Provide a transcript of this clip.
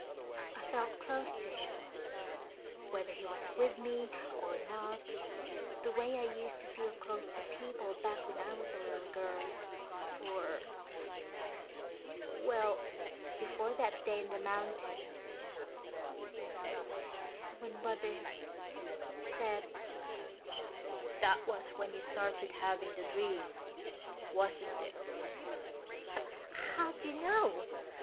"I felt close to him, whether he was with me or not, the way I used to feel close to people back when I was a little girl, before ... well, before that day in the mountains ... when Mother said...." "That was when you started having the dream, wasn't it?" "How'd you know?